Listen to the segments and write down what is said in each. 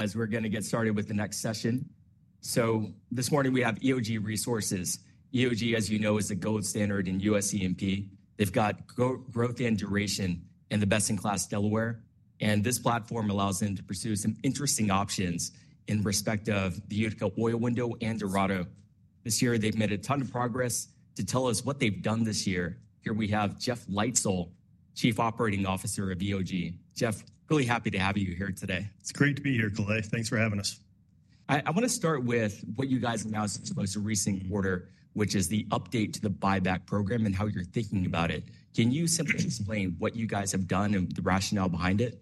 As we're going to get started with the next session. So this morning we have EOG Resources. EOG, as you know, is the gold standard in U.S. E&P. They've got growth and duration in the best-in-class Delaware. And this platform allows them to pursue some interesting options in respect of the Eagle Ford oil window and Dorado. This year they've made a ton of progress. To tell us what they've done this year, here we have Jeff Leitzell, Chief Operating Officer of EOG. Jeff, really happy to have you here today. It's great to be here, Clay. Thanks for having us. I want to start with what you guys announced in the most recent quarter, which is the update to the buyback program and how you're thinking about it. Can you simply explain what you guys have done and the rationale behind it?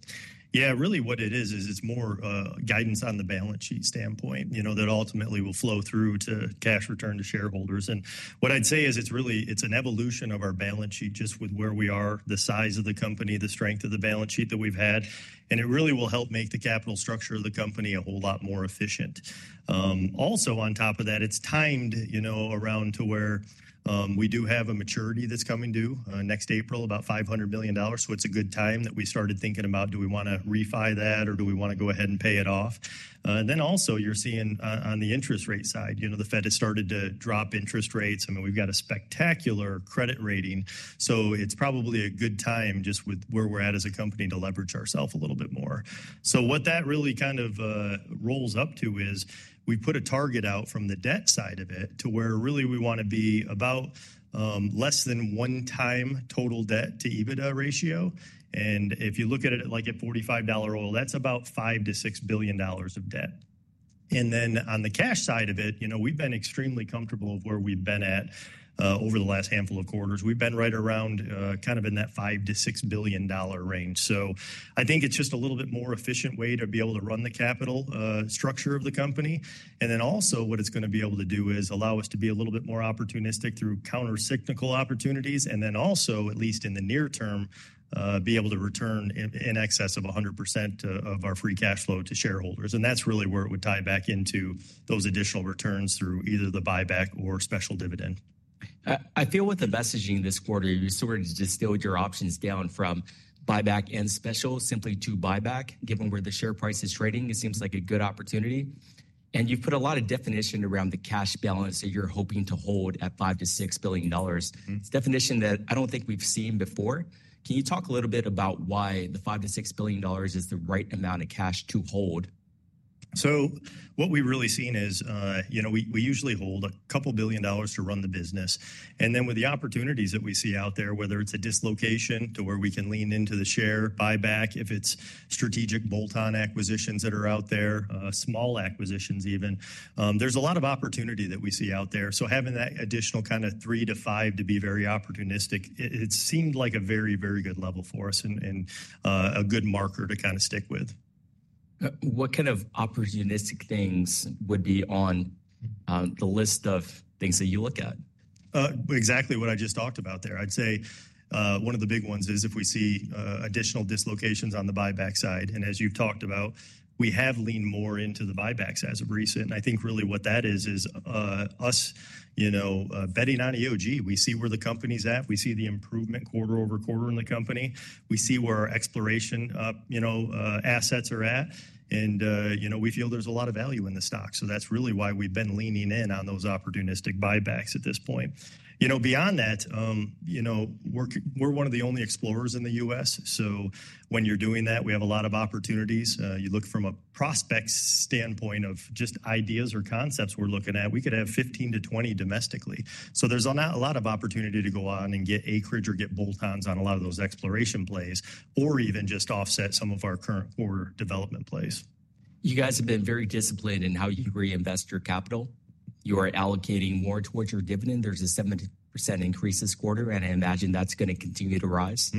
Yeah, really what it is, is it's more guidance on the balance sheet standpoint, you know, that ultimately will flow through to cash return to shareholders. And what I'd say is it's really, it's an evolution of our balance sheet just with where we are, the size of the company, the strength of the balance sheet that we've had. And it really will help make the capital structure of the company a whole lot more efficient. Also, on top of that, it's timed, you know, around to where we do have a maturity that's coming due next April, about $500 million. So it's a good time that we started thinking about, do we want to refi that or do we want to go ahead and pay it off? And then also you're seeing on the interest rate side, you know, the Fed has started to drop interest rates. I mean, we've got a spectacular credit rating. So it's probably a good time just with where we're at as a company to leverage ourself a little bit more. So what that really kind of rolls up to is we put a target out from the debt side of it to where really we want to be about less than one times total debt to EBITDA ratio. And if you look at it like at $45 oil, that's about $5-$6 billion of debt. And then on the cash side of it, you know, we've been extremely comfortable with where we've been at over the last handful of quarters. We've been right around kind of in that $5-$6 billion range. So I think it's just a little bit more efficient way to be able to run the capital structure of the company. And then also what it's going to be able to do is allow us to be a little bit more opportunistic through countercyclical opportunities. And then also, at least in the near term, be able to return in excess of 100% of our free cash flow to shareholders. And that's really where it would tie back into those additional returns through either the buyback or special dividend. I feel with the messaging this quarter, you sort of distilled your options down from buyback and special simply to buyback, given where the share price is trading. It seems like a good opportunity. You've put a lot of definition around the cash balance that you're hoping to hold at $5-$6 billion. It's a definition that I don't think we've seen before. Can you talk a little bit about why the $5-$6 billion is the right amount of cash to hold? So what we've really seen is, you know, we usually hold $2 billion to run the business. And then with the opportunities that we see out there, whether it's a dislocation to where we can lean into the share buyback, if it's strategic bolt-on acquisitions that are out there, small acquisitions even, there's a lot of opportunity that we see out there. So having that additional kind of $3 billion-$5 billion to be very opportunistic, it seemed like a very, very good level for us and a good marker to kind of stick with. What kind of opportunistic things would be on the list of things that you look at? Exactly what I just talked about there. I'd say one of the big ones is if we see additional dislocations on the buyback side. And as you've talked about, we have leaned more into the buybacks as of recent. And I think really what that is, is us, you know, betting on EOG, we see where the company's at. We see the improvement quarter over quarter in the company. We see where our exploration, you know, assets are at. And, you know, we feel there's a lot of value in the stock. So that's really why we've been leaning in on those opportunistic buybacks at this point. You know, beyond that, you know, we're one of the only explorers in the U.S. So when you're doing that, we have a lot of opportunities. You look from a prospect standpoint of just ideas or concepts we're looking at, we could have 15-20 domestically. So there's a lot of opportunity to go on and get acreage or get bolt-ons on a lot of those exploration plays or even just offset some of our current core development plays. You guys have been very disciplined in how you reinvest your capital. You are allocating more towards your dividend. There's a 7% increase this quarter. And I imagine that's going to continue to rise.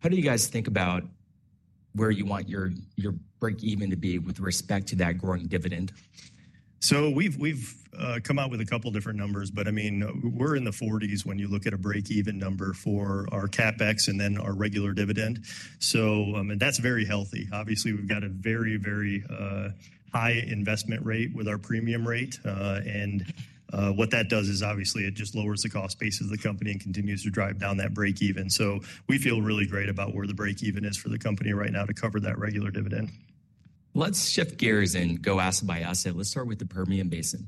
How do you guys think about where you want your break-even to be with respect to that growing dividend? So we've come out with a couple different numbers, but I mean, we're in the $40s when you look at a break-even number for our CapEx and then our regular dividend. So, and that's very healthy. Obviously, we've got a very, very high investment rate with our premium rate. And what that does is obviously it just lowers the cost basis of the company and continues to drive down that break-even. So we feel really great about where the break-even is for the company right now to cover that regular dividend. Let's shift gears and go asset by asset. Let's start with the Permian Basin,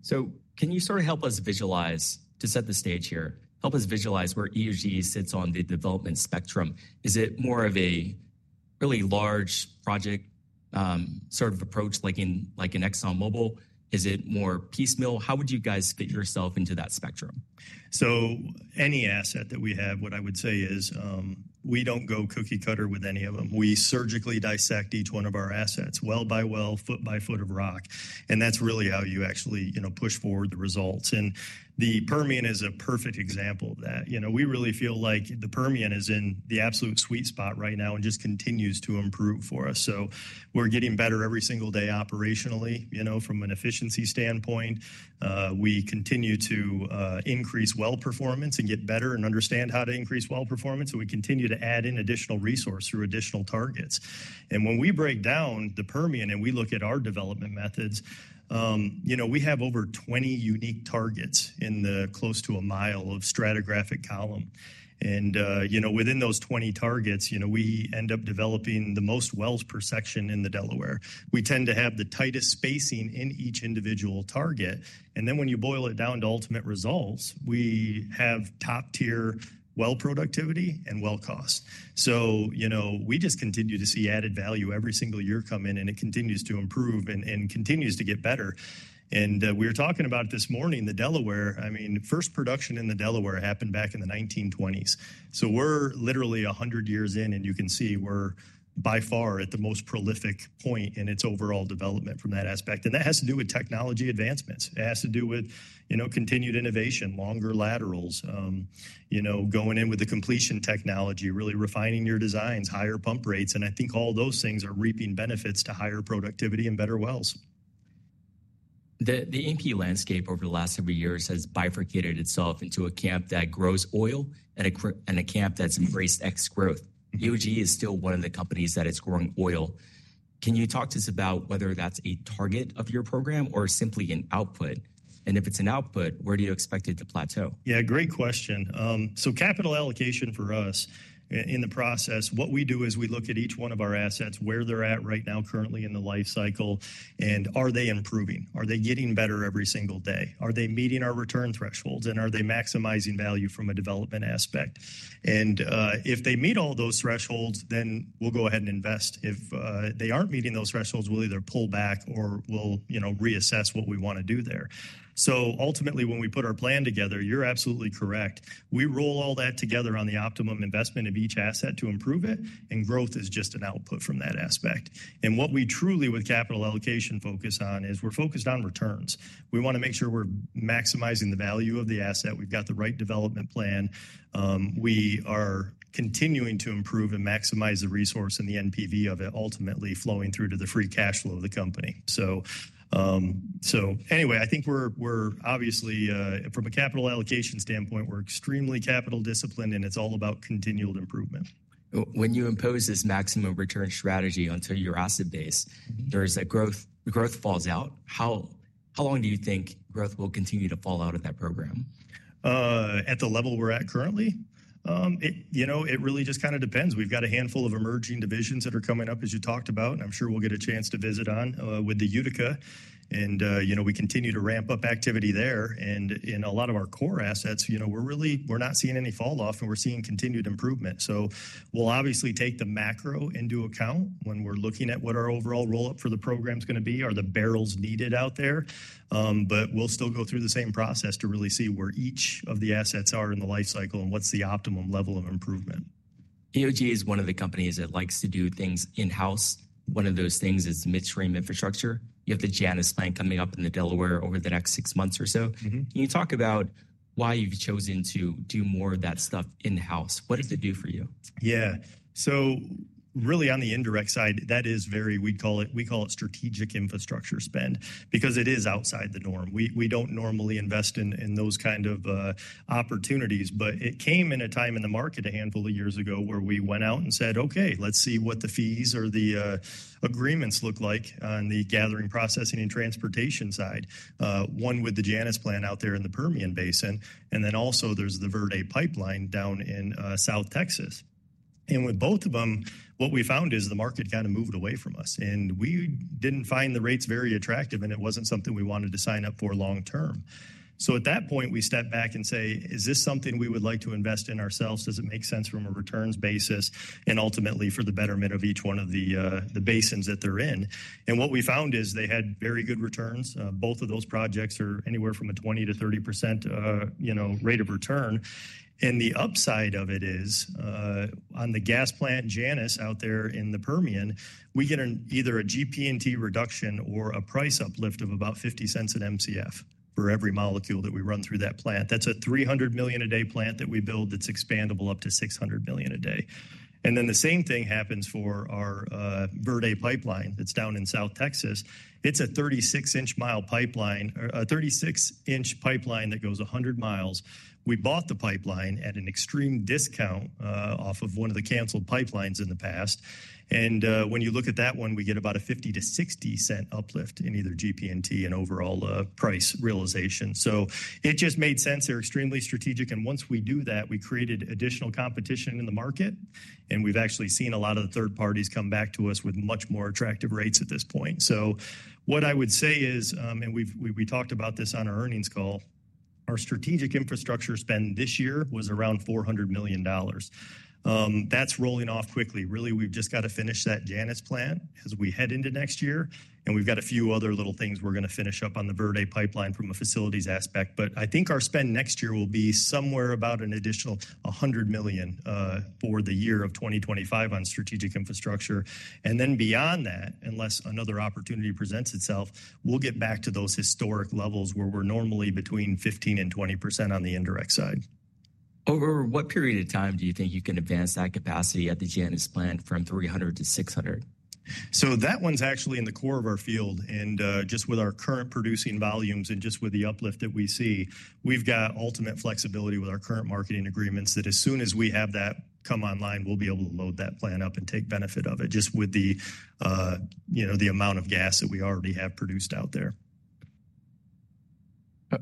so can you sort of help us visualize, to set the stage here, help us visualize where EOG sits on the development spectrum? Is it more of a really large project sort of approach like in ExxonMobil? Is it more piecemeal? How would you guys fit yourself into that spectrum? So any asset that we have, what I would say is we don't go cookie cutter with any of them. We surgically dissect each one of our assets well by well, foot by foot of rock. And that's really how you actually, you know, push forward the results. And the Permian is a perfect example of that. You know, we really feel like the Permian is in the absolute sweet spot right now and just continues to improve for us. So we're getting better every single day operationally, you know, from an efficiency standpoint. We continue to increase well performance and get better and understand how to increase well performance. So we continue to add in additional resources through additional targets. And when we break down the Permian and we look at our development methods, you know, we have over 20 unique targets in the close to a mile of stratigraphic column. And, you know, within those 20 targets, you know, we end up developing the most wells per section in the Delaware. We tend to have the tightest spacing in each individual target. And then when you boil it down to ultimate results, we have top-tier well productivity and well cost. So, you know, we just continue to see added value every single year come in and it continues to improve and continues to get better. And we were talking about this morning, the Delaware, I mean, first production in the Delaware happened back in the 1920s. So we're literally 100 years in and you can see we're by far at the most prolific point in its overall development from that aspect. And that has to do with technology advancements. It has to do with, you know, continued innovation, longer laterals, you know, going in with the completion technology, really refining your designs, higher pump rates. And I think all those things are reaping benefits to higher productivity and better wells. The E&P landscape over the last several years has bifurcated itself into a camp that grows oil and a camp that's embraced ex-growth. EOG is still one of the companies that is growing oil. Can you talk to us about whether that's a target of your program or simply an output? And if it's an output, where do you expect it to plateau? Yeah, great question. So capital allocation for us in the process, what we do is we look at each one of our assets, where they're at right now, currently in the life cycle, and are they improving? Are they getting better every single day? Are they meeting our return thresholds? And are they maximizing value from a development aspect? And if they meet all those thresholds, then we'll go ahead and invest. If they aren't meeting those thresholds, we'll either pull back or we'll, you know, reassess what we want to do there. So ultimately, when we put our plan together, you're absolutely correct. We roll all that together on the optimum investment of each asset to improve it. And growth is just an output from that aspect. And what we truly with capital allocation focus on is we're focused on returns. We want to make sure we're maximizing the value of the asset. We've got the right development plan. We are continuing to improve and maximize the resource and the NPV of it ultimately flowing through to the free cash flow of the company. So anyway, I think we're obviously from a capital allocation standpoint, we're extremely capital disciplined and it's all about continued improvement. When you impose this maximum return strategy onto your asset base, there's a growth. Growth falls out. How long do you think growth will continue to fall out of that program? At the level we're at currently, you know, it really just kind of depends. We've got a handful of emerging divisions that are coming up, as you talked about, and I'm sure we'll get a chance to visit on with the Utica, and you know, we continue to ramp up activity there, and in a lot of our core assets, you know, we're really, we're not seeing any falloff and we're seeing continued improvement, so we'll obviously take the macro into account when we're looking at what our overall roll-up for the program is going to be or the barrels needed out there, but we'll still go through the same process to really see where each of the assets are in the life cycle and what's the optimum level of improvement. EOG is one of the companies that likes to do things in-house. One of those things is midstream infrastructure. You have the Janus plant coming up in the Delaware over the next six months or so. Can you talk about why you've chosen to do more of that stuff in-house? What does it do for you? Yeah. So really on the indirect side, that is very, we call it strategic infrastructure spend because it is outside the norm. We don't normally invest in those kind of opportunities, but it came in a time in the market a handful of years ago where we went out and said, okay, let's see what the fees or the agreements look like on the gathering, processing, and transportation side. One with the Janus plant out there in the Permian Basin. And then also there's the Verde Pipeline down in South Texas. And with both of them, what we found is the market kind of moved away from us. And we didn't find the rates very attractive and it wasn't something we wanted to sign up for long term. So at that point, we stepped back and said, is this something we would like to invest in ourselves? Does it make sense from a returns basis and ultimately for the betterment of each one of the basins that they're in? And what we found is they had very good returns. Both of those projects are anywhere from 20%-30%, you know, rate of return. And the upside of it is on the gas plant Janus out there in the Permian, we get either a GP&T reduction or a price uplift of about $0.50/Mcf for every molecule that we run through that plant. That's a 300 million a day plant that we build that's expandable up to 600 million a day. And then the same thing happens for our Verde Pipeline that's down in South Texas. It's a 36-inch pipeline, a 36-inch pipeline that goes 100 miles. We bought the pipeline at an extreme discount off of one of the canceled pipelines in the past, and when you look at that one, we get about a 50-60 cent uplift in either GP&T and overall price realization. So it just made sense. They're extremely strategic, and once we do that, we created additional competition in the market. And we've actually seen a lot of the third parties come back to us with much more attractive rates at this point. So what I would say is, and we talked about this on our earnings call, our strategic infrastructure spend this year was around $400 million. That's rolling off quickly. Really, we've just got to finish that Janus plant as we head into next year, and we've got a few other little things we're going to finish up on the Verde pipeline from a facilities aspect. But I think our spend next year will be somewhere about an additional $100 million for the year of 2025 on strategic infrastructure. And then beyond that, unless another opportunity presents itself, we'll get back to those historic levels where we're normally between 15% and 20% on the indirect side. Over what period of time do you think you can advance that capacity at the Janus plant from 300 to 600? That one's actually in the core of our field. Just with our current producing volumes and just with the uplift that we see, we've got ultimate flexibility with our current marketing agreements that as soon as we have that come online, we'll be able to load that plant up and take benefit of it just with the, you know, the amount of gas that we already have produced out there.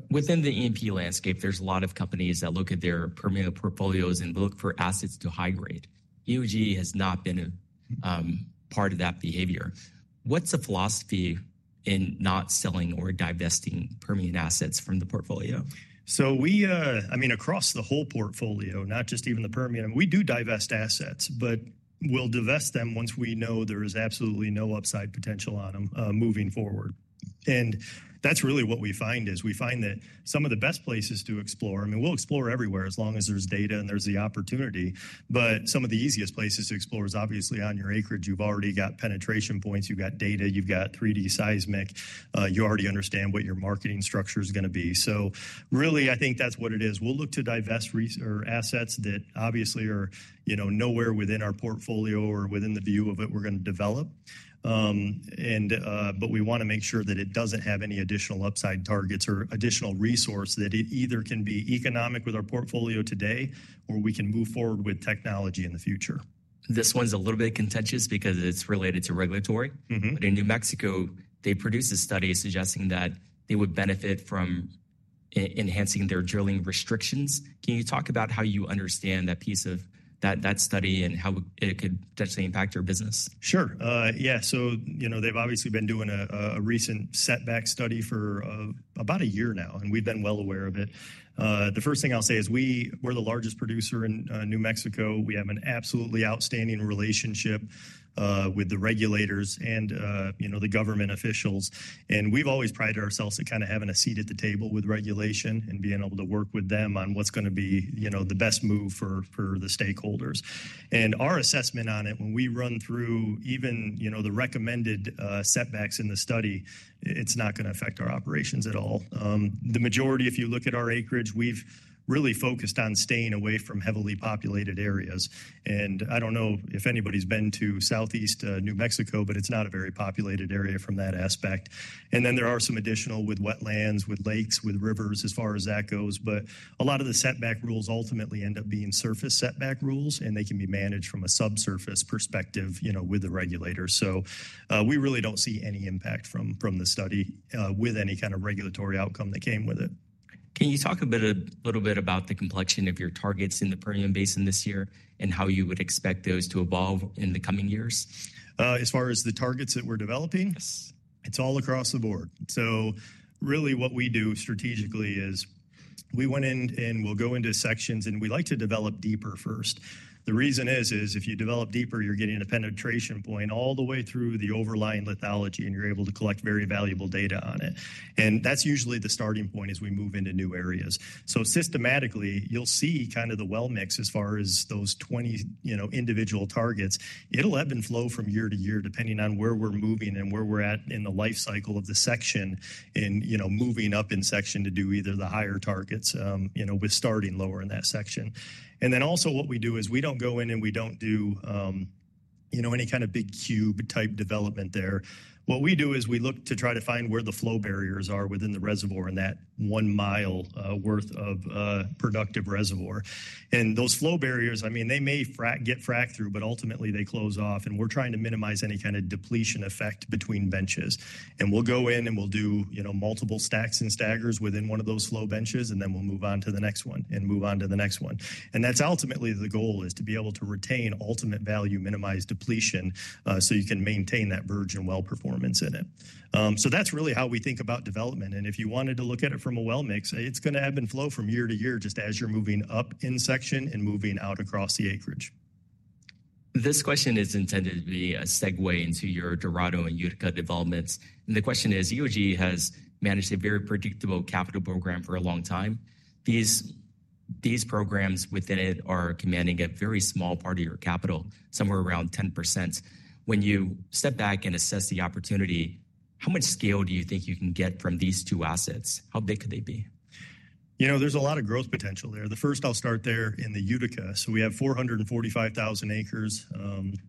Within the E&P landscape, there's a lot of companies that look at their Permian portfolios and look for assets to high grade. EOG has not been a part of that behavior. What's the philosophy in not selling or divesting Permian assets from the portfolio? So we, I mean, across the whole portfolio, not just even the Permian, we do divest assets, but we'll divest them once we know there is absolutely no upside potential on them moving forward. And that's really what we find that some of the best places to explore, I mean, we'll explore everywhere as long as there's data and there's the opportunity. But some of the easiest places to explore is obviously on your acreage. You've already got penetration points. You've got data. You've got 3D seismic. You already understand what your marketing structure is going to be. So really, I think that's what it is. We'll look to divest assets that obviously are, you know, nowhere within our portfolio or within the view of it we're going to develop. We want to make sure that it doesn't have any additional upside targets or additional resource that it either can be economic with our portfolio today or we can move forward with technology in the future. This one's a little bit contentious because it's related to regulatory. But in New Mexico, they produced a study suggesting that they would benefit from enhancing their drilling restrictions. Can you talk about how you understand that piece of that study and how it could potentially impact your business? Sure. Yeah. So, you know, they've obviously been doing a recent setback study for about a year now. And we've been well aware of it. The first thing I'll say is we're the largest producer in New Mexico. We have an absolutely outstanding relationship with the regulators and, you know, the government officials. And we've always prided ourselves at kind of having a seat at the table with regulation and being able to work with them on what's going to be, you know, the best move for the stakeholders. And our assessment on it, when we run through even, you know, the recommended setbacks in the study, it's not going to affect our operations at all. The majority, if you look at our acreage, we've really focused on staying away from heavily populated areas. And I don't know if anybody's been to Southeast New Mexico, but it's not a very populated area from that aspect. And then there are some additional with wetlands, with lakes, with rivers as far as that goes. But a lot of the setback rules ultimately end up being surface setback rules, and they can be managed from a subsurface perspective, you know, with the regulator. So we really don't see any impact from the study with any kind of regulatory outcome that came with it. Can you talk a bit a little bit about the complexity of your targets in the Permian Basin this year and how you would expect those to evolve in the coming years? As far as the targets that we're developing? Yes. It's all across the board. So really what we do strategically is we went in and we'll go into sections and we like to develop deeper first. The reason is if you develop deeper, you're getting a penetration point all the way through the overlying lithology and you're able to collect very valuable data on it. And that's usually the starting point as we move into new areas. So systematically, you'll see kind of the well mix as far as those 20, you know, individual targets. It'll ebb and flow from year to year depending on where we're moving and where we're at in the life cycle of the section and, you know, moving up in section to do either the higher targets, you know, with starting lower in that section. And then also what we do is we don't go in and we don't do, you know, any kind of big cube type development there. What we do is we look to try to find where the flow barriers are within the reservoir in that one mile worth of productive reservoir. And those flow barriers, I mean, they may get fracked through, but ultimately they close off. And we're trying to minimize any kind of depletion effect between benches. And we'll go in and we'll do, you know, multiple stacks and staggers within one of those flow benches, and then we'll move on to the next one and move on to the next one. And that's ultimately the goal is to be able to retain ultimate value, minimize depletion so you can maintain that surge and well performance in it. So that's really how we think about development. If you wanted to look at it from a well mix, it's going to ebb and flow from year to year just as you're moving up in section and moving out across the acreage. This question is intended to be a segue into your Dorado and Utica developments. The question is, EOG has managed a very predictable capital program for a long time. These programs within it are commanding a very small part of your capital, somewhere around 10%. When you step back and assess the opportunity, how much scale do you think you can get from these two assets? How big could they be? You know, there's a lot of growth potential there. The first, I'll start there in the Utica. So we have 445,000 acres,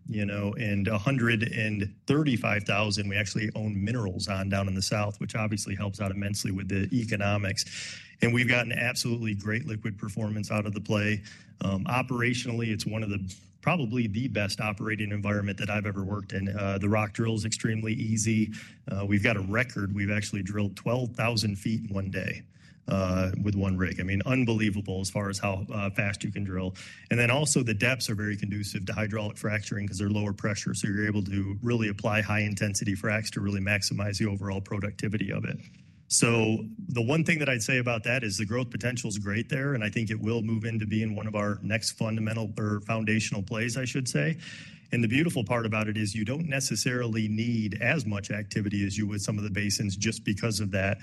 you know, and 135,000 we actually own minerals on down in the south, which obviously helps out immensely with the economics. And we've got an absolutely great liquid performance out of the play. Operationally, it's one of the probably the best operating environment that I've ever worked in. The rock drill is extremely easy. We've got a record. We've actually drilled 12,000 feet in one day with one rig. I mean, unbelievable as far as how fast you can drill. And then also the depths are very conducive to hydraulic fracturing because they're lower pressure. So you're able to really apply high intensity fracs to really maximize the overall productivity of it. So the one thing that I'd say about that is the growth potential is great there. And I think it will move into being one of our next fundamental or foundational plays, I should say. And the beautiful part about it is you don't necessarily need as much activity as you would some of the basins just because of that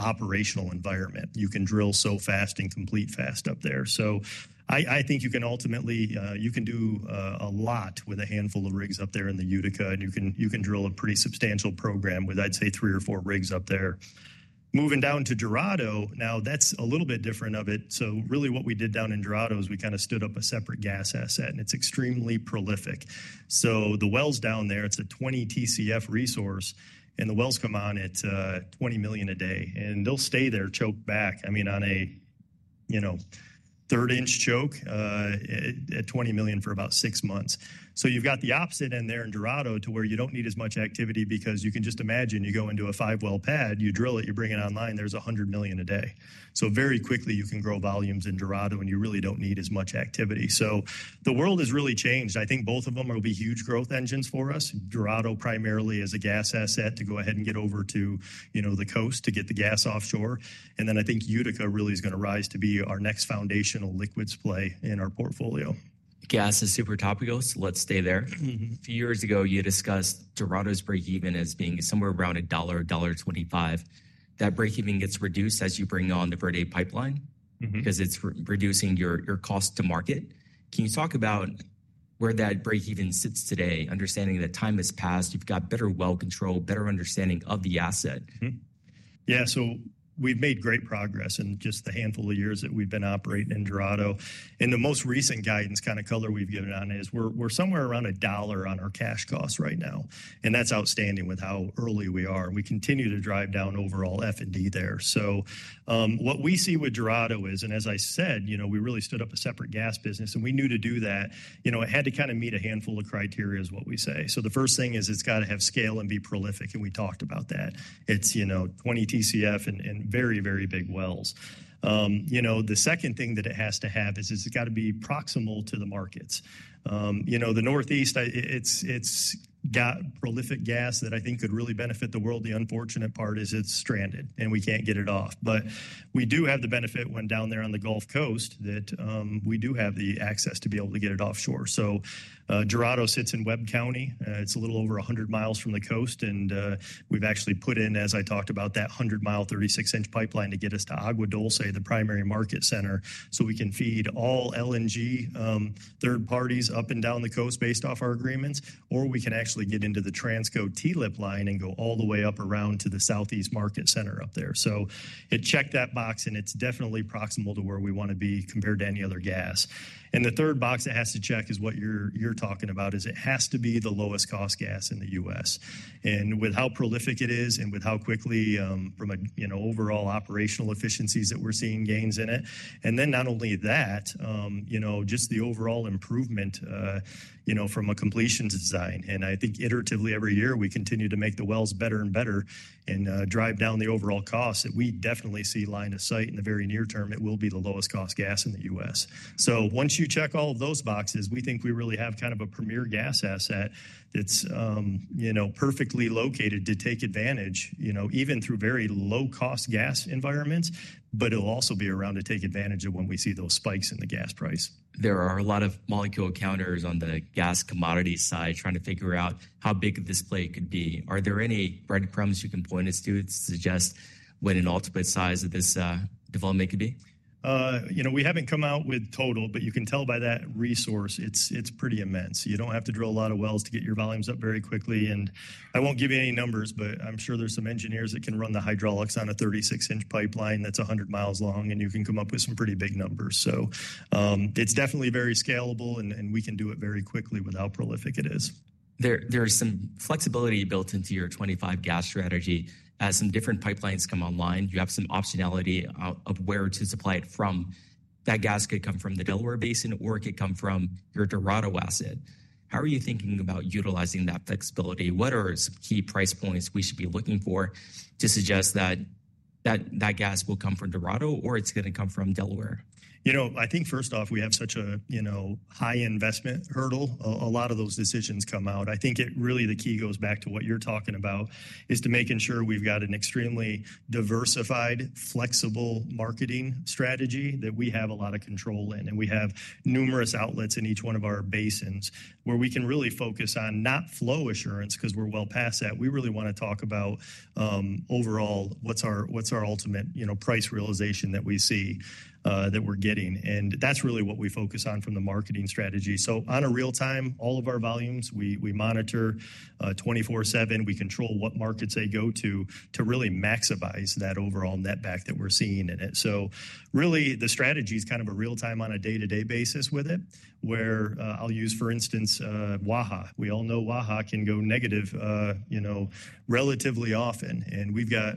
operational environment. You can drill so fast and complete fast up there. So I think you can ultimately, you can do a lot with a handful of rigs up there in the Utica. And you can drill a pretty substantial program with, I'd say, three or four rigs up there. Moving down to Dorado, now that's a little bit different of it. So really what we did down in Dorado is we kind of stood up a separate gas asset, and it's extremely prolific. So the wells down there, it's a 20 Tcf resource, and the wells come on at 20 million a day. And they'll stay there choked back. I mean, on a, you know, third-inch choke at 20 million for about six months. So you've got the opposite in there in Dorado to where you don't need as much activity because you can just imagine you go into a five well pad, you drill it, you bring it online, there's 100 million a day. So very quickly you can grow volumes in Dorado and you really don't need as much activity. So the world has really changed. I think both of them will be huge growth engines for us. Dorado primarily as a gas asset to go ahead and get over to, you know, the coast to get the gas offshore. And then I think Utica really is going to rise to be our next foundational liquids play in our portfolio. Gas is super topical, so let's stay there. A few years ago, you discussed Dorado's breakeven as being somewhere around $1, $1.25. That breakeven gets reduced as you bring on the Verde Pipeline because it's reducing your cost to market. Can you talk about where that breakeven sits today, understanding that time has passed, you've got better well control, better understanding of the asset? Yeah. So we've made great progress in just the handful of years that we've been operating in Dorado. And the most recent guidance kind of color we've given on it is we're somewhere around $1 on our cash costs right now. And that's outstanding with how early we are. We continue to drive down overall F&D there. So what we see with Dorado is, and as I said, you know, we really stood up a separate gas business and we knew to do that, you know, it had to kind of meet a handful of criteria is what we say. So the first thing is it's got to have scale and be prolific. And we talked about that. It's, you know, 20 Tcf and very, very big wells. You know, the second thing that it has to have is it's got to be proximal to the markets. You know, the Northeast, it's got prolific gas that I think could really benefit the world. The unfortunate part is it's stranded and we can't get it off. But we do have the benefit when down there on the Gulf Coast that we do have the access to be able to get it offshore. So Dorado sits in Webb County. It's a little over 100 miles from the coast. And we've actually put in, as I talked about, that 100-mile, 36-inch pipeline to get us to Agua Dulce, the primary market center, so we can feed all LNG third parties up and down the coast based off our agreements. Or we can actually get into the Transco TLEP line and go all the way up around to the Southeast market center up there. So it checked that box and it's definitely proximal to where we want to be compared to any other gas. And the third box it has to check is what you're talking about is it has to be the lowest cost gas in the U.S. And with how prolific it is and with how quickly from a, you know, overall operational efficiencies that we're seeing gains in it. And then not only that, you know, just the overall improvement, you know, from a completion design. And I think iteratively every year we continue to make the wells better and better and drive down the overall cost. We definitely see line of sight in the very near term, it will be the lowest cost gas in the U.S. So once you check all of those boxes, we think we really have kind of a premier gas asset that's, you know, perfectly located to take advantage, you know, even through very low cost gas environments, but it'll also be around to take advantage of when we see those spikes in the gas price. There are a lot of molecule counters on the gas commodity side trying to figure out how big this play could be. Are there any breadcrumbs you can point us to to suggest what an ultimate size of this development could be? You know, we haven't come out with total, but you can tell by that resource it's pretty immense. You don't have to drill a lot of wells to get your volumes up very quickly. And I won't give you any numbers, but I'm sure there's some engineers that can run the hydraulics on a 36-inch pipeline that's 100 miles long and you can come up with some pretty big numbers. So it's definitely very scalable and we can do it very quickly with how prolific it is. There's some flexibility built into your 25 gas strategy. As some different pipelines come online, you have some optionality of where to supply it from. That gas could come from the Delaware Basin or it could come from your Dorado asset. How are you thinking about utilizing that flexibility? What are some key price points we should be looking for to suggest that that gas will come from Dorado or it's going to come from Delaware? You know, I think first off we have such a, you know, high investment hurdle. A lot of those decisions come out. I think it really the key goes back to what you're talking about is to making sure we've got an extremely diversified, flexible marketing strategy that we have a lot of control in. And we have numerous outlets in each one of our basins where we can really focus on not flow assurance because we're well past that. We really want to talk about overall what's our ultimate, you know, price realization that we see that we're getting. And that's really what we focus on from the marketing strategy. So in real time, all of our volumes, we monitor 24/7. We control what markets they go to to really maximize that overall netback that we're seeing in it. So really the strategy is kind of a real time on a day-to-day basis with it where I'll use, for instance, Waha. We all know Waha can go negative, you know, relatively often. And we've got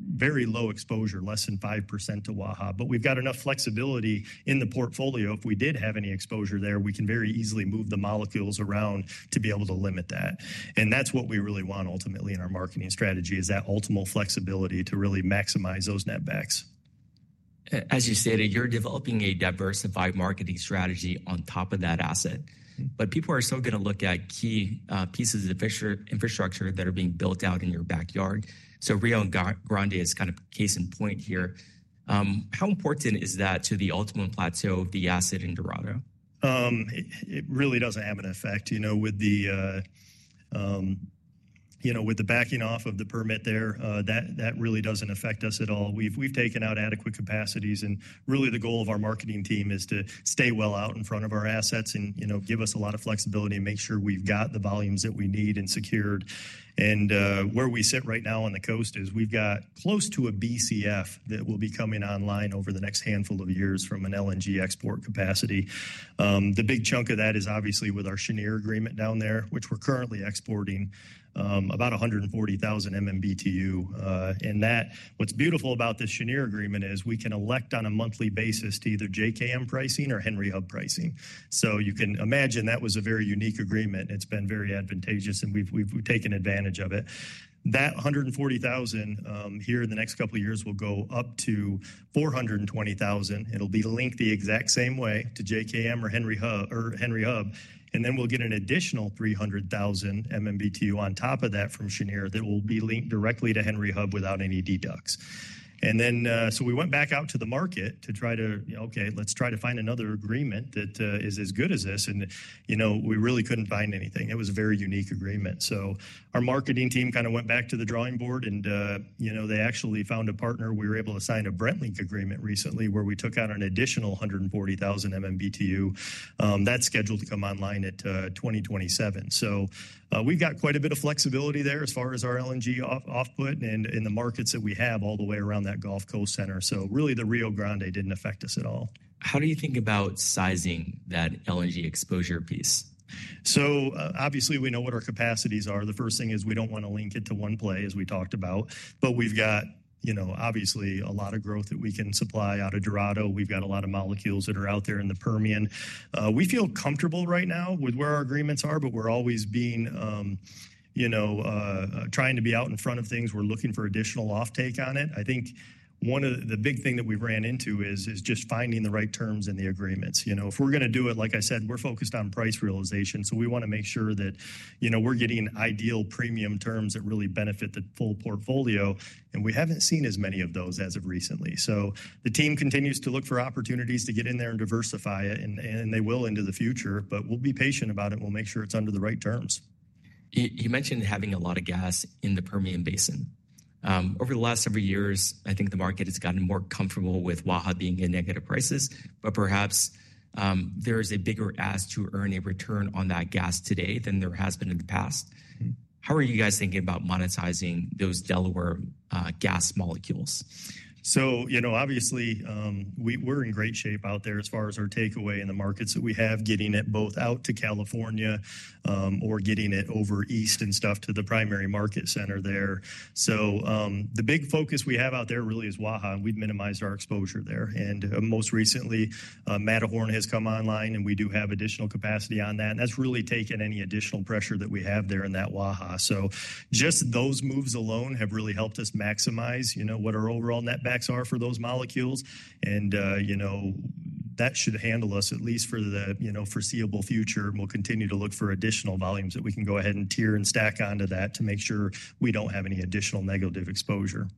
very low exposure, less than 5% to Waha. But we've got enough flexibility in the portfolio. If we did have any exposure there, we can very easily move the molecules around to be able to limit that. And that's what we really want ultimately in our marketing strategy is that ultimate flexibility to really maximize those netbacks. As you stated, you're developing a diversified marketing strategy on top of that asset, but people are still going to look at key pieces of infrastructure that are being built out in your backyard, so Rio Grande is kind of case in point here. How important is that to the ultimate plateau of the asset in Dorado? It really doesn't have an effect. You know, with the backing off of the permit there, that really doesn't affect us at all. We've taken out adequate capacities. Really the goal of our marketing team is to stay well out in front of our assets and, you know, give us a lot of flexibility and make sure we've got the volumes that we need and secured. Where we sit right now on the coast is we've got close to a Bcf that will be coming online over the next handful of years from an LNG export capacity. The big chunk of that is obviously with our Cheniere agreement down there, which we're currently exporting about 140,000 MMBtu. That's what's beautiful about the Cheniere agreement is we can elect on a monthly basis to either JKM pricing or Henry Hub pricing. So you can imagine that was a very unique agreement. It's been very advantageous and we've taken advantage of it. That 140,000 here in the next couple of years will go up to 420,000. It'll be linked the exact same way to JKM or Henry Hub. And then we'll get an additional 300,000 MMBtu on top of that from Cheniere that will be linked directly to Henry Hub without any deducts. And then so we went back out to the market to try to, you know, okay, let's try to find another agreement that is as good as this. And, you know, we really couldn't find anything. It was a very unique agreement. So our marketing team kind of went back to the drawing board and, you know, they actually found a partner. We were able to sign a Brent-linked agreement recently where we took out an additional 140,000 MMBtu. That's scheduled to come online at 2027. So we've got quite a bit of flexibility there as far as our LNG offput and in the markets that we have all the way around that Gulf Coast center. So really the Rio Grande didn't affect us at all. How do you think about sizing that LNG exposure piece? So obviously we know what our capacities are. The first thing is we don't want to link it to one play as we talked about. But we've got, you know, obviously a lot of growth that we can supply out of Dorado. We've got a lot of molecules that are out there in the Permian. We feel comfortable right now with where our agreements are, but we're always being, you know, trying to be out in front of things. We're looking for additional offtake on it. I think one of the big things that we've ran into is just finding the right terms in the agreements. You know, if we're going to do it, like I said, we're focused on price realization. So we want to make sure that, you know, we're getting ideal premium terms that really benefit the full portfolio. We haven't seen as many of those as of recently. The team continues to look for opportunities to get in there and diversify it. They will into the future. We'll be patient about it. We'll make sure it's under the right terms. You mentioned having a lot of gas in the Permian Basin. Over the last several years, I think the market has gotten more comfortable with Waha being in negative prices. But perhaps there is a bigger ask to earn a return on that gas today than there has been in the past. How are you guys thinking about monetizing those Delaware gas molecules? You know, obviously we're in great shape out there as far as our takeaway and the markets that we have getting it both out to California or getting it over east and stuff to the primary market center there. So the big focus we have out there really is Waha. And we've minimized our exposure there. And most recently, Matterhorn has come online and we do have additional capacity on that. And that's really taken any additional pressure that we have there in that Waha. So just those moves alone have really helped us maximize, you know, what our overall netbacks are for those molecules. And, you know, that should handle us at least for the, you know, foreseeable future. We'll continue to look for additional volumes that we can go ahead and tier and stack onto that to make sure we don't have any additional negative exposure.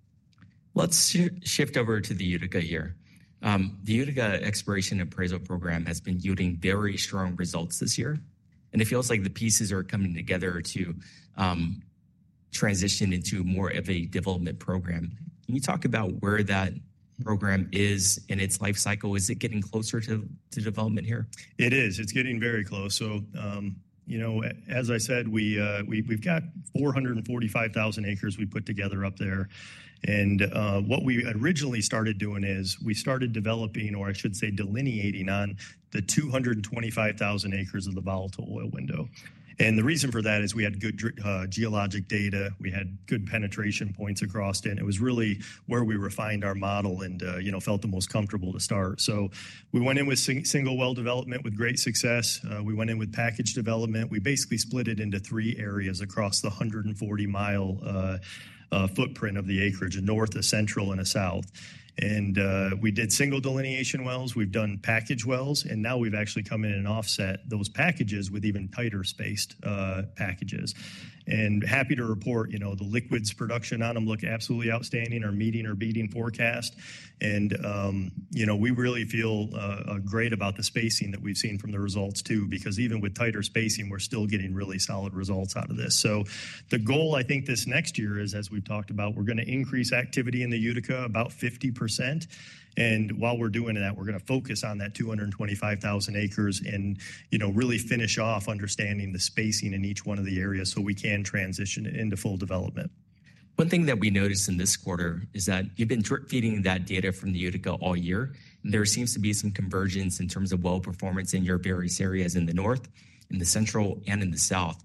Let's shift over to the Utica here. The Utica Exploration Appraisal Program has been yielding very strong results this year. And it feels like the pieces are coming together to transition into more of a development program. Can you talk about where that program is in its life cycle? Is it getting closer to development here? It is. It's getting very close, so, you know, as I said, we've got 445,000 acres we put together up there, and what we originally started doing is we started developing, or I should say delineating on the 225,000 acres of the volatile oil window, and the reason for that is we had good geologic data. We had good penetration points across it, and it was really where we refined our model and, you know, felt the most comfortable to start, so we went in with single well development with great success, we went in with package development. We basically split it into three areas across the 140-mile footprint of the acreage, a north, a central, and a south, and we did single delineation wells. We've done package wells, and now we've actually come in and offset those packages with even tighter spaced packages. Happy to report, you know, the liquids production on them looks absolutely outstanding. We're meeting or beating our forecast. You know, we really feel great about the spacing that we've seen from the results too because even with tighter spacing, we're still getting really solid results out of this. The goal I think this next year is, as we've talked about, we're going to increase activity in the Utica about 50%. While we're doing that, we're going to focus on that 225,000 acres and, you know, really finish off understanding the spacing in each one of the areas so we can transition into full development. One thing that we noticed in this quarter is that you've been feeding that data from the Utica all year. There seems to be some convergence in terms of well performance in your various areas in the north, in the central, and in the south.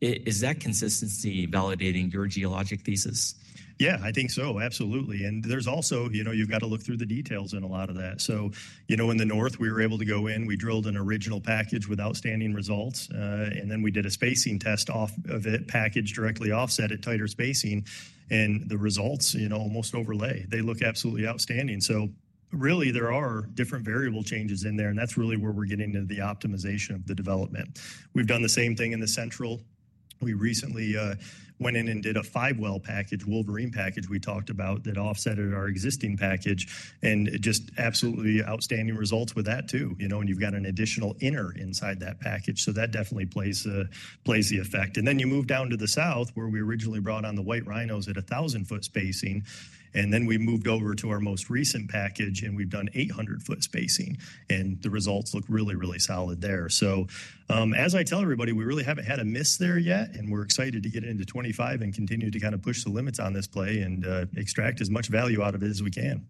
Is that consistency validating your geologic thesis? Yeah, I think so. Absolutely. And there's also, you know, you've got to look through the details in a lot of that. So, you know, in the north, we were able to go in. We drilled an original package with outstanding results. And then we did a spacing test off of it, package directly offset at tighter spacing. And the results, you know, almost overlay. They look absolutely outstanding. So really there are different variable changes in there. And that's really where we're getting into the optimization of the development. We've done the same thing in the central. We recently went in and did a five-well package, Wolverine package we talked about that offset our existing package. And just absolutely outstanding results with that too. You know, and you've got an additional interval inside that package. So that definitely plays into the effect. Then you move down to the south where we originally brought on the White Rhinos at 1,000-foot spacing. Then we moved over to our most recent package and we've done 800-foot spacing. And the results look really, really solid there. So, as I tell everybody, we really haven't had a miss there yet. And we're excited to get into 2025 and continue to kind of push the limits on this play and extract as much value out of it as we can.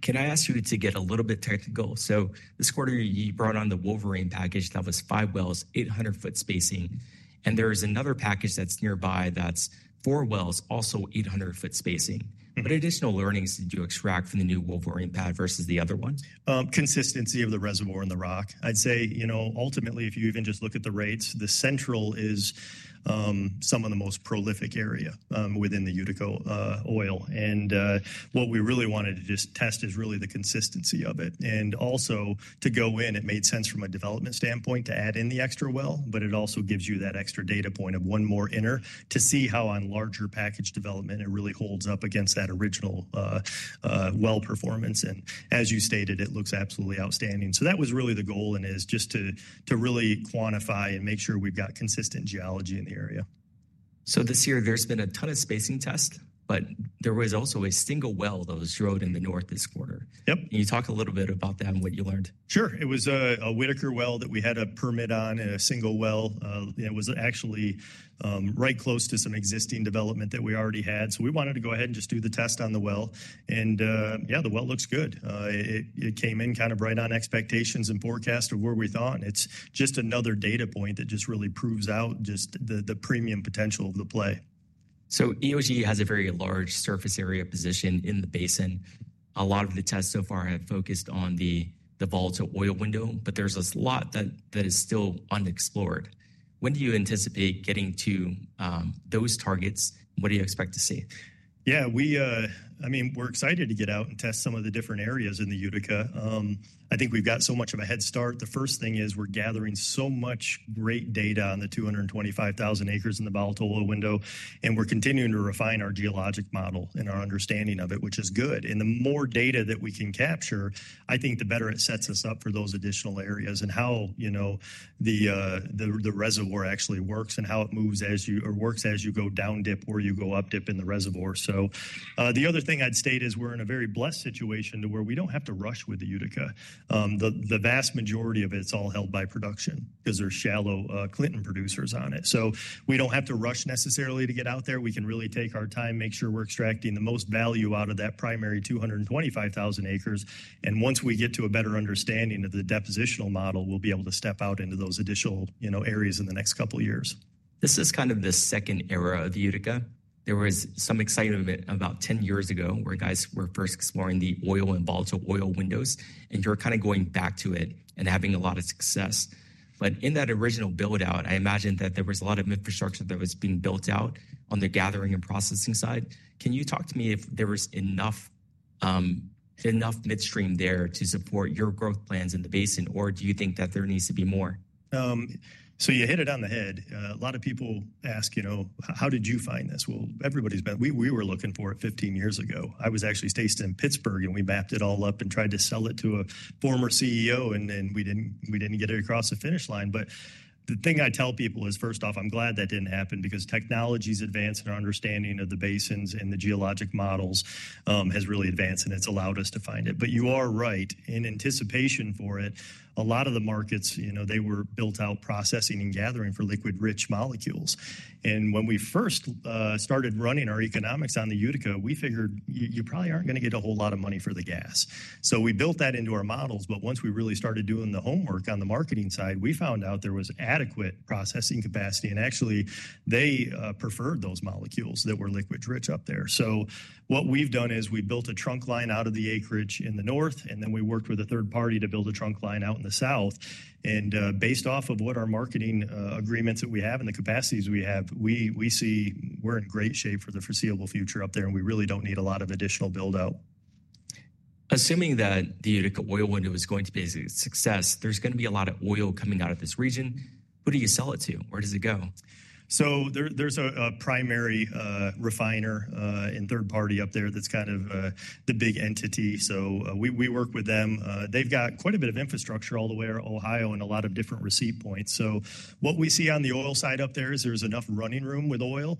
Can I ask you to get a little bit technical? So this quarter you brought on the Wolverine package. That was five wells, 800-foot spacing. And there is another package that's nearby that's four wells, also 800-foot spacing. What additional learnings did you extract from the new Wolverine pad versus the other one? Consistency of the reservoir and the rock. I'd say, you know, ultimately if you even just look at the rates, the Central is some of the most prolific area within the Utica oil. And what we really wanted to just test is really the consistency of it. And also to go in, it made sense from a development standpoint to add in the extra well. But it also gives you that extra data point of one more in there to see how in larger package development it really holds up against that original well performance. And as you stated, it looks absolutely outstanding. So that was really the goal and is just to really quantify and make sure we've got consistent geology in the area. So this year there's been a ton of spacing tests. But there was also a single well that was drilled in the north this quarter. Yep. Can you talk a little bit about that and what you learned? Sure. It was a Whitaker well that we had a permit on and a single well. It was actually right close to some existing development that we already had. So we wanted to go ahead and just do the test on the well. And yeah, the well looks good. It came in kind of right on expectations and forecast of where we thought. It's just another data point that just really proves out just the premium potential of the play. So EOG has a very large surface area position in the basin. A lot of the tests so far have focused on the volatile oil window. But there's a lot that is still unexplored. When do you anticipate getting to those targets? What do you expect to see? Yeah, we, I mean, we're excited to get out and test some of the different areas in the Utica. I think we've got so much of a head start. The first thing is we're gathering so much great data on the 225,000 acres in the volatile oil window, and we're continuing to refine our geologic model and our understanding of it, which is good, and the more data that we can capture, I think the better it sets us up for those additional areas and how, you know, the reservoir actually works and how it works as you go downdip or you go updip in the reservoir, so the other thing I'd state is we're in a very blessed situation to where we don't have to rush with the Utica. The vast majority of it's all held by production because there's shallow Clinton producers on it. So we don't have to rush necessarily to get out there. We can really take our time, make sure we're extracting the most value out of that primary 225,000 acres. And once we get to a better understanding of the depositional model, we'll be able to step out into those additional, you know, areas in the next couple of years. This is kind of the second era of the Utica. There was some excitement about 10 years ago where guys were first exploring the oil and volatile oil windows. And you're kind of going back to it and having a lot of success. But in that original buildout, I imagine that there was a lot of infrastructure that was being built out on the gathering and processing side. Can you talk to me if there was enough midstream there to support your growth plans in the basin? Or do you think that there needs to be more? So you hit it on the head. A lot of people ask, you know, how did you find this? Well, everybody's been, we were looking for it 15 years ago. I was actually stationed in Pittsburgh and we mapped it all up and tried to sell it to a former CEO. And then we didn't get it across the finish line. But the thing I tell people is, first off, I'm glad that didn't happen because technology's advanced and our understanding of the basins and the geologic models has really advanced and it's allowed us to find it. But you are right. In anticipation for it, a lot of the markets, you know, they were built out processing and gathering for liquid-rich molecules. And when we first started running our economics on the Utica, we figured you probably aren't going to get a whole lot of money for the gas. So we built that into our models. But once we really started doing the homework on the marketing side, we found out there was adequate processing capacity. And actually, they preferred those molecules that were liquid-rich up there. So what we've done is we built a trunk line out of the acreage in the north. And then we worked with a third party to build a trunk line out in the south. And based off of what our marketing agreements that we have and the capacities we have, we see we're in great shape for the foreseeable future up there. And we really don't need a lot of additional buildout. Assuming that the Utica oil window is going to be a success, there's going to be a lot of oil coming out of this region. Who do you sell it to? Where does it go? So there's a primary refiner and third party up there that's kind of the big entity. So we work with them. They've got quite a bit of infrastructure all the way around Ohio and a lot of different receipt points. So what we see on the oil side up there is there's enough running room with oil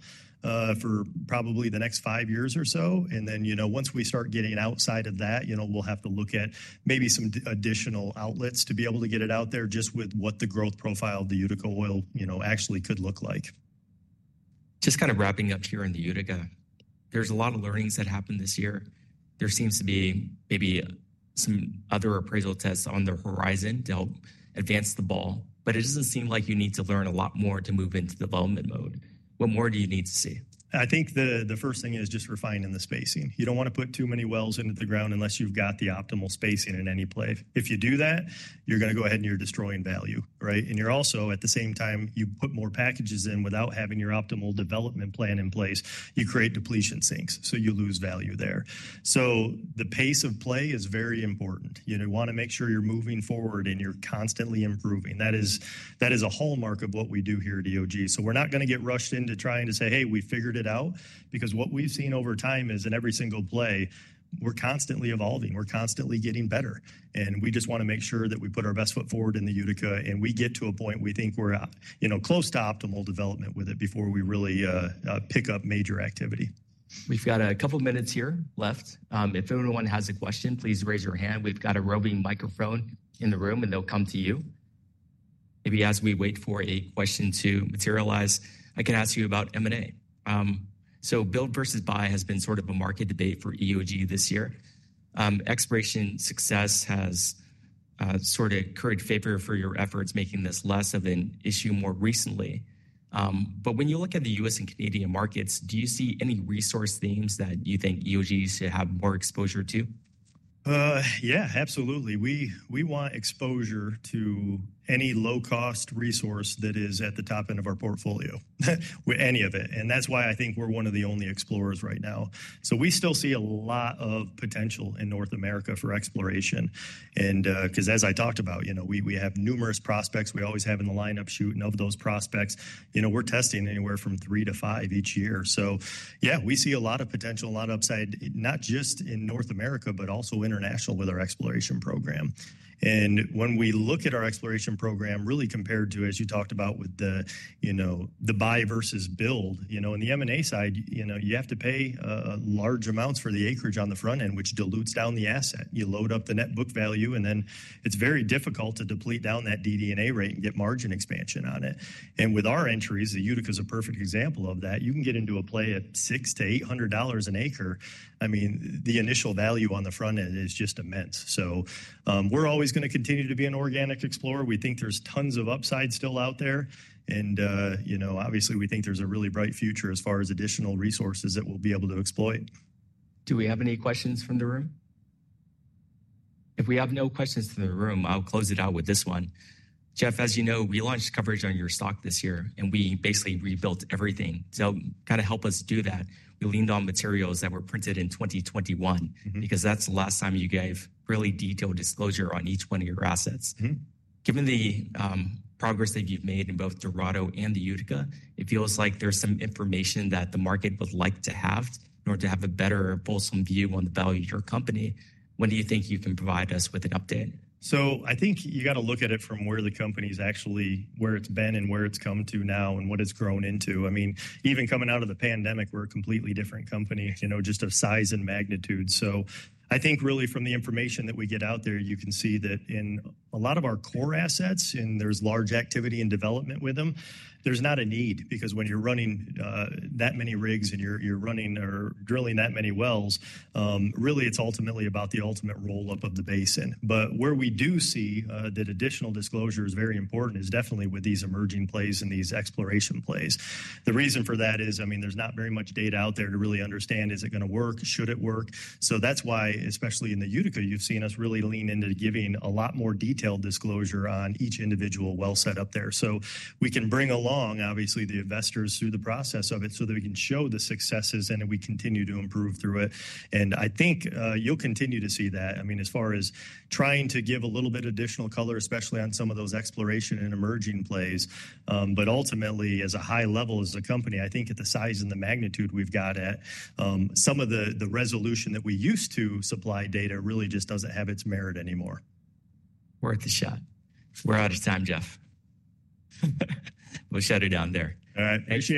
for probably the next five years or so. And then, you know, once we start getting outside of that, you know, we'll have to look at maybe some additional outlets to be able to get it out there just with what the growth profile of the Utica oil, you know, actually could look like. Just kind of wrapping up here in the Utica, there's a lot of learnings that happened this year. There seems to be maybe some other appraisal tests on the horizon to help advance the ball. But it doesn't seem like you need to learn a lot more to move into development mode. What more do you need to see? I think the first thing is just refining the spacing. You don't want to put too many wells into the ground unless you've got the optimal spacing in any play. If you do that, you're going to go ahead and you're destroying value, right? And you're also at the same time, you put more packages in without having your optimal development plan in place. You create depletion sinks. So you lose value there. So the pace of play is very important. You know, you want to make sure you're moving forward and you're constantly improving. That is a hallmark of what we do here at EOG. So we're not going to get rushed into trying to say, hey, we figured it out. Because what we've seen over time is in every single play, we're constantly evolving. We're constantly getting better. We just want to make sure that we put our best foot forward in the Utica. We get to a point we think we're, you know, close to optimal development with it before we really pick up major activity. We've got a couple of minutes here left. If anyone has a question, please raise your hand. We've got a roving microphone in the room and they'll come to you. Maybe as we wait for a question to materialize, I can ask you about M&A. So build versus buy has been sort of a market debate for EOG this year. Exploration success has sort of garnered favor for your efforts making this less of an issue more recently. But when you look at the U.S. and Canadian markets, do you see any resource themes that you think EOG should have more exposure to? Yeah, absolutely. We want exposure to any low-cost resource that is at the top end of our portfolio, any of it. And that's why I think we're one of the only explorers right now. So we still see a lot of potential in North America for exploration. And because as I talked about, you know, we have numerous prospects. We always have in the lineup shooting of those prospects. You know, we're testing anywhere from three to five each year. So yeah, we see a lot of potential, a lot of upside, not just in North America, but also international with our exploration program. When we look at our exploration program, really compared to, as you talked about with the, you know, the buy versus build, you know, on the M&A side, you know, you have to pay large amounts for the acreage on the front end, which dilutes down the asset. You load up the net book value. And then it's very difficult to deplete down that DD&A rate and get margin expansion on it. And with our entries, the Utica is a perfect example of that. You can get into a play at $600-$800 an acre. I mean, the initial value on the front end is just immense. So we're always going to continue to be an organic explorer. We think there's tons of upside still out there. You know, obviously we think there's a really bright future as far as additional resources that we'll be able to exploit. Do we have any questions from the room? If we have no questions to the room, I'll close it out with this one. Jeff, as you know, we launched coverage on your stock this year. And we basically rebuilt everything. So kind of help us do that. We leaned on materials that were printed in 2021 because that's the last time you gave really detailed disclosure on each one of your assets. Given the progress that you've made in both Dorado and the Utica, it feels like there's some information that the market would like to have in order to have a better bolt-on view on the value of your company. When do you think you can provide us with an update? So I think you got to look at it from where the company's actually, where it's been and where it's come to now and what it's grown into. I mean, even coming out of the pandemic, we're a completely different company, you know, just of size and magnitude. So I think really from the information that we get out there, you can see that in a lot of our core assets and there's large activity and development with them, there's not a need because when you're running that many rigs and you're running or drilling that many wells, really it's ultimately about the ultimate roll-up of the basin. But where we do see that additional disclosure is very important is definitely with these emerging plays and these exploration plays. The reason for that is, I mean, there's not very much data out there to really understand, is it going to work? Should it work? So that's why, especially in the Utica, you've seen us really lean into giving a lot more detailed disclosure on each individual well set up there. So we can bring along, obviously, the investors through the process of it so that we can show the successes and we continue to improve through it. And I think you'll continue to see that. I mean, as far as trying to give a little bit of additional color, especially on some of those exploration and emerging plays. But ultimately, as a high level, as a company, I think at the size and the magnitude we've got at, some of the resolution that we used to supply data really just doesn't have its merit anymore. We're at the stop. We're out of time, Jeff. We'll shut it down there. All right.